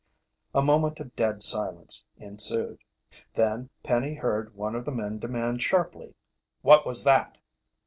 A moment of dead silence ensued. Then Penny heard one of the men demand sharply: "What was that?"